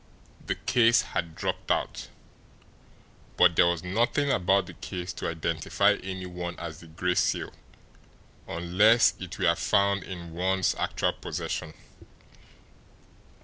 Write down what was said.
The case had dropped out. But there was nothing about the case to identify any one as the Gray Seal unless it were found in one's actual possession.